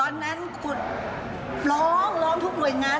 ตอนนั้นร้องร้องทุกรวยงาน